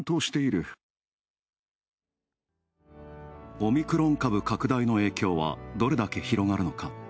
オミクロン株拡大の影響はどれだけ広がるのか。